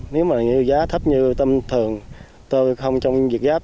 nếu mà giá thấp như tôm thường tôm không trong việt gáp